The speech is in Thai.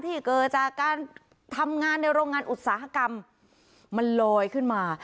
เกิดจากการทำงานในโรงงานอุตสาหกรรมมันลอยขึ้นมา